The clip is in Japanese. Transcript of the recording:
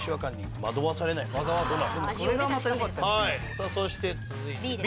さあそして続いてＢ。